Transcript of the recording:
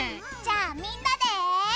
じゃあみんなで。